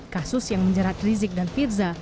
kasus yang menjerat rizik dan firza